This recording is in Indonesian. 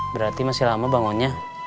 berarti masih lama bangunnya